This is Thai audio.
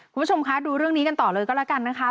คุณผู้ชมคะดูเรื่องนี้กันต่อเลยก็แล้วกันนะคะ